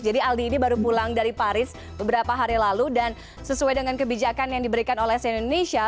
jadi aldi ini baru pulang dari paris beberapa hari lalu dan sesuai dengan kebijakan yang diberikan oleh sin indonesia